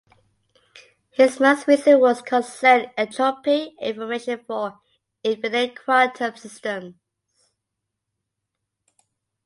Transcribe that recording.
His most recent works concern entropy and information for infinite quantum systems.